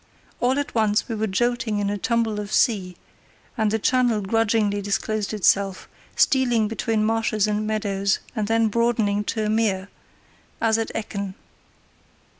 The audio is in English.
All at once we were jolting in a tumble of sea, and the channel grudgingly disclosed itself, stealing between marshes and meadows and then broadening to a mere, as at Ekken.